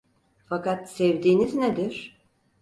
Fakat sevdiğiniz nedir?